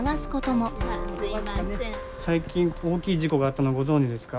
最近大きい事故があったのご存じですか？